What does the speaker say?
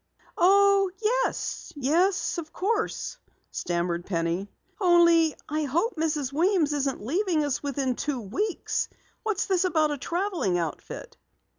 "Oh, yes, yes, of course," stammered Penny. "Only I hope Mrs. Weems isn't leaving us within two weeks. What's this about a traveling outfit?"